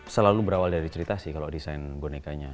selalu berawal dari cerita sih kalau desain bonekanya